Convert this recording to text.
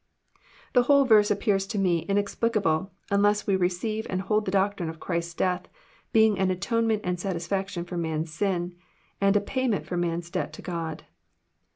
The whole verse appears to me inexplicable, unless we receive and hold the doctrine of Christ's death being an atonement and satisfaction for man's sin, and a payment of man's debt to God.